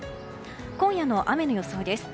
今夜の雨の予想です。